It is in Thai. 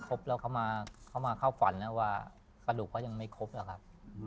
เข้ามาเข้าฝันว่ากระดูกก็ยังไม่ครบหรือครับ